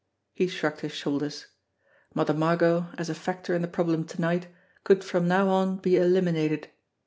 He shrugged his shoulders. Mother Margot, as a factor in the problem to night, could from now on be eliminated.